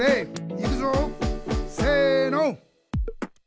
いくぞせの！